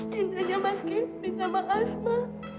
janjanya mas kevin sama asma